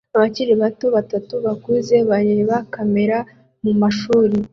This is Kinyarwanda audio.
Abakiri bato batatu bakuze bareba kamera mumashuri